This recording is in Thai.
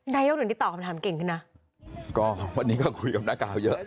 ในโลกที่ตอบคำถามเก่งขึ้นน่ะก็วันนี้ก็คุยกับหน้าขาวเยอะ